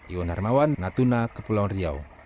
iwan hermawan natuna kepulauan riau